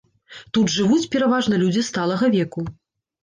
Тут жывуць пераважна людзі сталага веку.